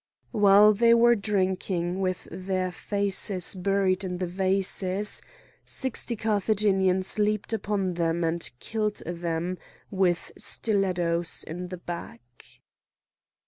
While they were drinking, with their faces buried in the vases, sixty Carthaginians leaped upon them and killed them with stiletos in the back.